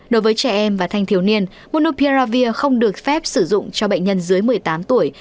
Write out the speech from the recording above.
đối với trẻ em và thanh thiếu niên monopia không được phép sử dụng cho bệnh nhân dưới một mươi tám tuổi